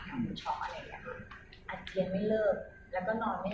อัดเจียนไม่เริ่มแล้วก็หอนอนไม่รับ